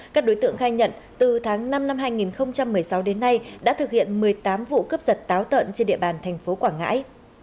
các đối tượng khai nhận từ tháng năm năm hai nghìn một mươi sáu đến nay đã thực hiện một mươi tám vụ cướp giật táo tợn trên địa bàn thành phố quảng ngãi